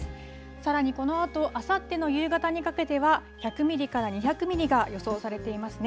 さらに、このあとあさっての夕方にかけては１００ミリから２００ミリが予想されていますね。